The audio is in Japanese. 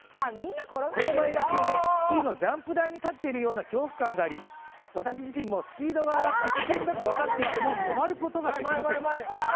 勾配が急でスキーのジャンプ台に立っているような恐怖感があり、私自身もスピードが上がって危険だと分かっていても止まることができません。